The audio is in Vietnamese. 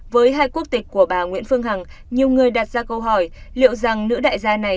với hai quốc tịch của bà nguyễn phương hằng nhiều người đặt ra câu hỏi liệu rằng nữ đại gia này